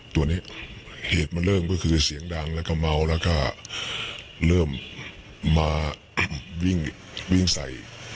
ตัวนี้เหตุมันเริ่มก็คือเสียงดังแล้วก็เมาแล้วก็เริ่มมาวิ่งวิ่งใส่